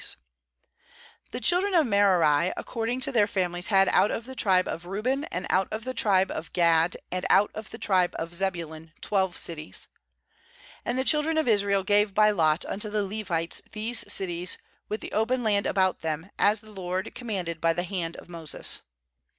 7 JOSHUA 7The children of Merari according to their famihes had out of the tribe of Reuben, and out of the tribe of Gad, and out of the tribe of Zebulun, twelve cities. 8And the children of Israel gave by lot unto the Levites these cities with the open land about them, as the LOKD commanded by the hand of Moses.